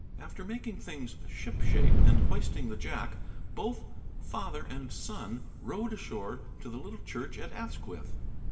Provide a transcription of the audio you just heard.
After making things ship shape and hoisting the jack, both father and son rowed ashore to the little church at Asquith.